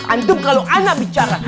antum kalau ana bicara